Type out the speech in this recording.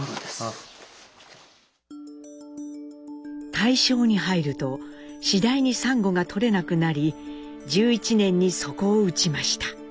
大正に入ると次第にサンゴが採れなくなり１１年に底を打ちました。